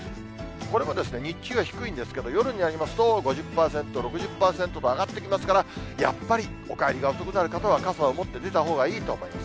これも日中は低いんですけど、夜になりますと、５０％、６０％と上がってきますから、やっぱりお帰りが遅くなる方は、傘を持って出たほうがいいと思います。